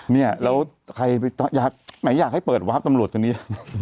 เนี่ยแล้วใครอยากหมายถึงอยากให้เปิดวาฟตำรวจทีนี้